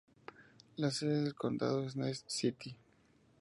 La sede del condado es Ness City.